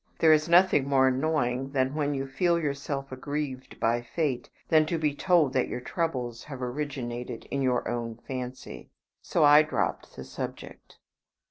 There is nothing more annoying when you feel yourself aggrieved by fate than to be told that your troubles have originated in your own fancy; so I dropped the subject.